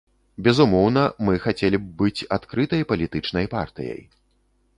Безумоўна, мы хацелі б быць адкрытай палітычнай партыяй.